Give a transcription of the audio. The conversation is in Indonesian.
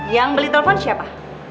yang beli telepon siapa